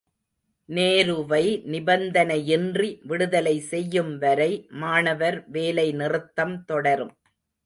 நேருவை நிபந்தனையின்றி விடுதலை செய்யும்வரை மாணவர் வேலை நிறுத்தம் தொடரும்.